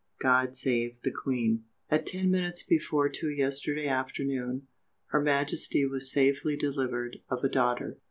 GOD SAVE THE QUEEN!!! At ten minutes before two yesterday afternoon, her Majesty was SAFELY DELIVERED OF A DAUGHTER.